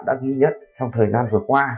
đã ghi nhận trong thời gian vừa qua